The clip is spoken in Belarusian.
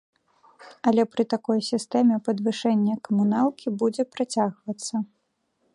Але пры такой сістэме падвышэнне камуналкі будзе працягвацца.